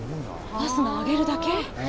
ファスナー上げるだけ？